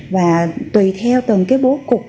và tùy theo từng cái bố cục